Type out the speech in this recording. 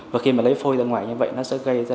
và khi mà lấy phôi ra ngoài như vậy nó sẽ gây ra